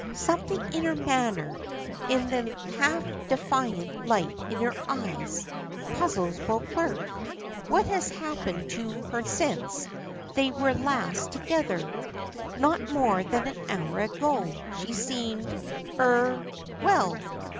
Something in her manner, in the half defiant light in her eyes, puzzles Beauclerk. What has happened to her since they last were together? Not more than an hour ago she had seemed er well.